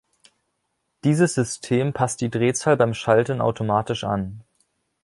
Dieses System passt die Drehzahl beim Schalten automatisch an.